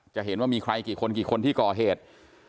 จะเห็นว่ามีใครกี่คนกี่คนที่ก่อเหตุ